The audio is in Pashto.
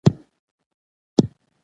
مصالحې د بدن په بوی تاثیر کوي.